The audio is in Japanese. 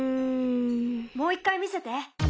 もう一回見せて。